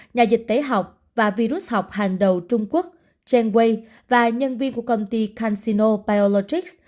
nhà dịch tế học và virus học hàng đầu trung quốc chen wei và nhân viên của công ty cansino biologics